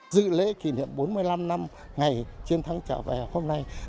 dự lễ kỷ niệm bốn mươi năm năm ngày trên tháng trở về hôm nay